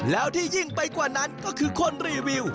แล้วที่ยิ่งไปกว่านั้นก็คือคนรีวิว